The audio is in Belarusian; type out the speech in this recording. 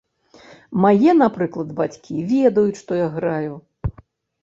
Мае, напрыклад, бацькі, ведаюць, што я граю.